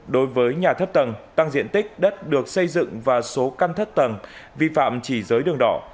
đối với nhà thấp tầng tăng diện tích đất được xây dựng và số căn thất tầng vi phạm chỉ dưới đường đỏ